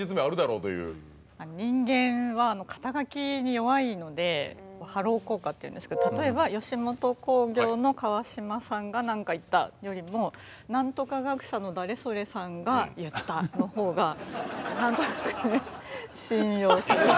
人間は肩書に弱いのでハロー効果っていうんですけど例えば吉本興業の川島さんが何か言ったよりも何とか学者の誰それさんが言ったのほうが何となく信用される。